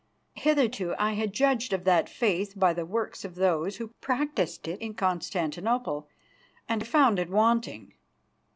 Hitherto I had judged of that Faith by the works of those who practised it in Constantinople, and found it wanting.